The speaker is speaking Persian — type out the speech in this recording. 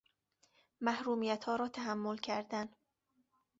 محرومیت ها را تحمل کردن